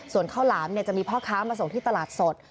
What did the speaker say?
ส่วนข้าวหลามจะมีพ่อค้ามาส่งที่ตลาดสด